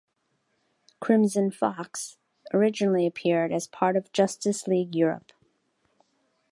Crimson Fox originally appeared as part of Justice League Europe.